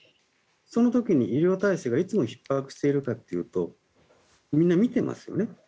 その時に医療体制がいつもひっ迫しているかというとみんな診てますよね。